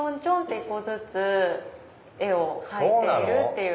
１個ずつ絵を描いているっていう。